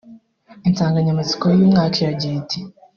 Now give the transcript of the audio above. Insanganyamatsiko y'uyu mwaka iragira iti